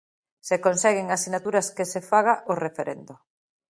Se conseguen as sinaturas que se faga o referendo.